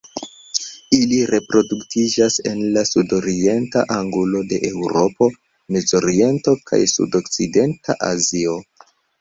Ili reproduktiĝas en la sudorienta angulo de Eŭropo, Mezoriento kaj sudokcidenta Azio.